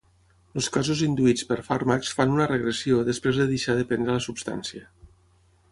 Els casos induïts per fàrmacs fan una regressió després de deixar de prendre la substància.